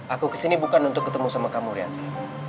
aku kesini bukan untuk ketemu sama kamu rianti